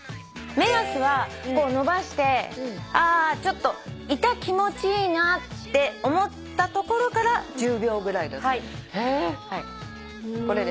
目安は伸ばして「あちょっと痛気持ちいいな」って思ったところから１０秒ぐらいだそうです。